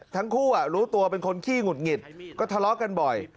ทั้งคู่รู้ตัวเป็นคนขี้หงุดหงิดก็ทะเลาะกันบ่อย